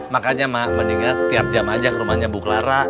makanya ma mendingan tiap jam aja ke rumahnya buklara